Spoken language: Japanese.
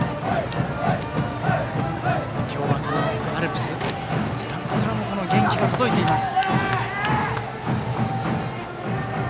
今日は、アルプススタンドからも元気が届いています。